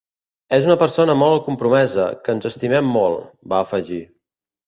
És una persona molt compromesa, que ens estimem molt, va afegir.